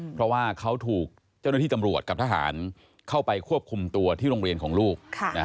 เพราะว่าเขาถูกเจ้าหน้าที่ตำรวจกับทหารเข้าไปควบคุมตัวที่โรงเรียนของลูก